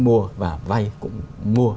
mua và vay cũng mua